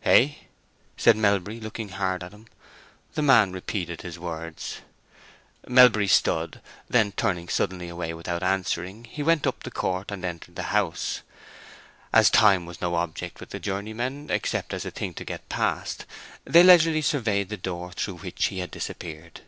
"Hey?" said Melbury, looking hard at him. The man repeated the words. Melbury stood; then turning suddenly away without answering, he went up the court and entered the house. As time was no object with the journeymen, except as a thing to get past, they leisurely surveyed the door through which he had disappeared.